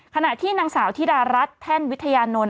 ขณะที่นางสาวธิดารัฐแท่นวิทยานนท์